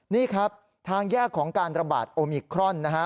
นี่ครับทางแยกของการระบาดโอมิครอนนะฮะ